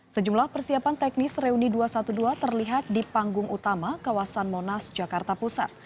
sejumlah persiapan teknis reuni dua ratus dua belas terlihat di panggung utama kawasan monas jakarta pusat